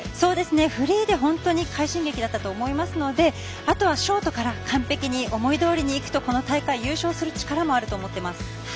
フリーで本当に快進撃だったと思いますのであとはショートから完璧に思いどおりにいくとこの大会優勝する力もあると思っています。